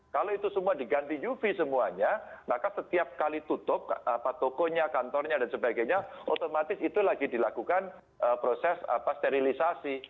kalau itu semua diganti uv semuanya maka setiap kali tutup tokonya kantornya dan sebagainya otomatis itu lagi dilakukan proses sterilisasi